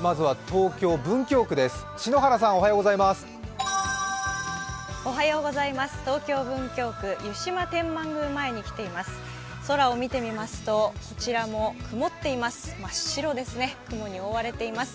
東京・文京区湯島天神前に来ています。